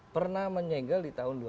pernah menyegel di tahun dua ribu enam belas